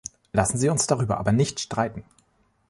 Lassen Sie uns darüber aber nicht streiten.